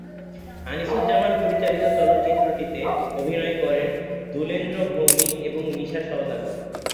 আনিসুজ্জামান পরিচালিত চলচ্চিত্রটিতে অভিনয় করেন দুলেন্দ্র ভৌমিক এবং মিশা সওদাগর।